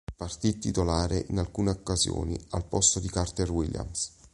Partì titolare in alcune occasioni al posto di Carter-Williams.